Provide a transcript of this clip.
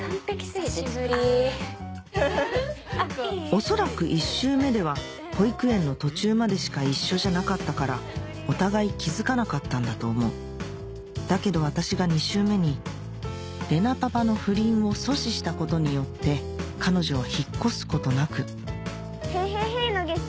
恐らく１周目では保育園の途中までしか一緒じゃなかったからお互い気付かなかったんだと思うだけど私が２周目に玲奈パパの不倫を阻止したことによって彼女は引っ越すことなく『ＨＥＹ！ＨＥＹ！